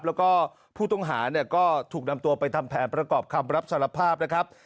แล้วก็ผู้ต้องหาเนี่ยก็ถูกนำตัวไปทำแผนประกอบคำรับสารภาพนะครับ